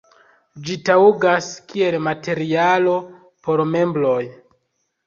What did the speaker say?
Ĝi taŭgas kiel materialo por mebloj.